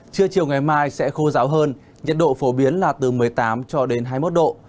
trưa chiều ngày mai sẽ khô ráo hơn nhiệt độ phổ biến là từ một mươi tám cho đến hai mươi một độ